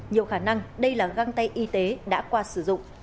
nhiều khả năng đây là găng tay y tế đã qua sử dụng